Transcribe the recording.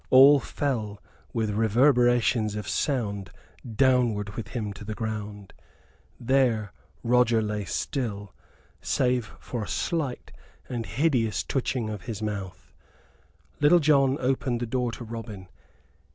All fell, with reverberations of sound, downward with him to the ground. There Roger lay still save for a slight and hideous twitching of his mouth. Little John opened the door to Robin.